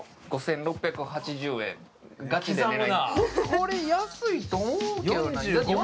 これ、安いと思うけどな。